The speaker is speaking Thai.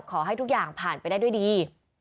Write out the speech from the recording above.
ขอให้ทุกอย่างผ่านไปได้ด้วยดี